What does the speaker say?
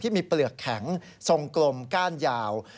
มีเปลือกแข็งทรงกลมก้านยาว